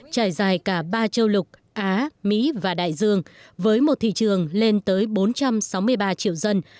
trải dài cả ba châu lục á mỹ và đại dương với một thị trường lên tới bốn trăm sáu mươi ba triệu dân